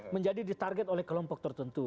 menjadi ditarget oleh kelompok tertentu